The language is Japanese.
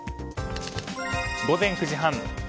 午前９時半。